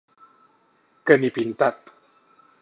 Que ni pintat.